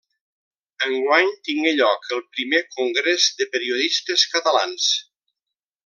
Enguany tingué lloc el primer Congrés de Periodistes Catalans.